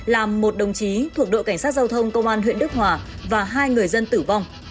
làm một đồng chí thuộc đội cảnh sát giao thông công an huyện đức hòa và hai người dân tử vong